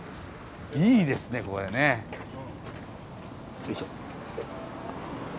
よいしょ。